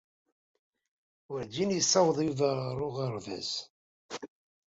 Werjin yessaweḍ Yuba ɣer uɣerbaz.